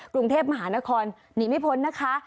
กรุงเทพมหานครหนีไม่พ้นนะคะ